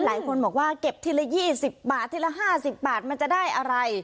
หลายคนบอกว่าเก็บทีละ๒๐บาททีละ๕๐บาทมันจะได้อะไร